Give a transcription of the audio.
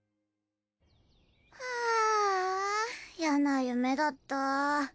ああ嫌な夢だった。